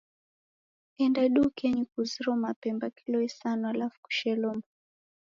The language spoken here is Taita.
Enda idukenyi kuuziro mapemba kilo isanu alafu kushelo mufu.